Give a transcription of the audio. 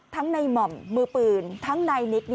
ทั้งในหม่อมือปืนทั้งในนิก